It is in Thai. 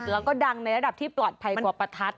แล้วก็ดังในระดับที่ปลอดภัยกว่าประทัด